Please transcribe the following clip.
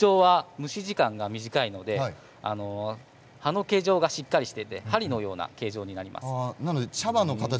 蒸し時間が短いので葉っぱの形状がしっかりしていて針のような形になります。